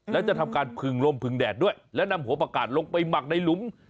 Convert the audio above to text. แล้วจะทำการผึงลมพึงแดดด้วยและนำหัวประกาศลงไปหมักในหลุม